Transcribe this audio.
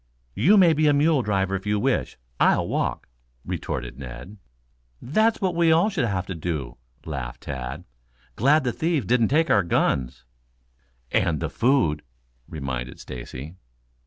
"You may be a mule driver if you wish I'll walk," retorted Ned. "That's what we all shall have to do," laughed Tad. "Glad the thieves didn't take our guns." "And the food," reminded Stacy.